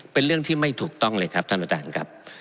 เป็นเรื่องที่ไม่ถูกต้องเลยครับท่านประธานครับ